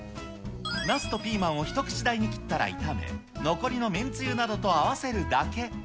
ナスとピーマンを一口大に切ったら炒め、残りの麺つゆなどと合わせるだけ。